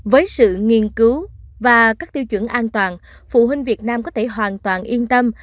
với sự nghiên cứu và các tiêu chuẩn an toàn phụ huynh việt nam có thể hoàn toàn yên tâm